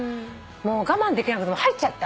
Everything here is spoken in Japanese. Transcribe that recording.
もう我慢できなくて入っちゃった。